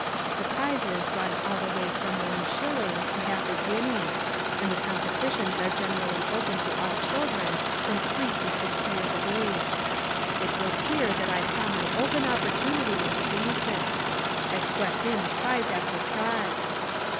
The prizes run all the way from one shilling to half a guinea and the competitions are generally open to all children from three to six years of age. It was here that I saw my open opportunity and seized it. I swept in prize after prize.